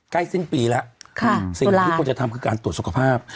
ใกล้สิ้นปีแล้วสิ่งที่ควรจะทำคือการตรวจสุขภาพ